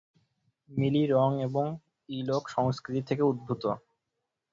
মিলি রং এবং ই লোক সংস্কৃতি থেকে উদ্ভূত।